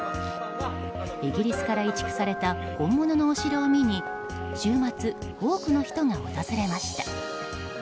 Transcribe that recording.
イギリスから移築された本物のお城を見に週末、多くの人が訪れました。